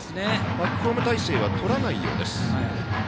バックホーム態勢はとらないようです。